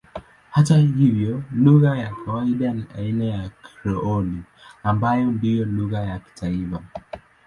Hata hivyo lugha ya kawaida ni aina ya Krioli ambayo ndiyo lugha ya taifa.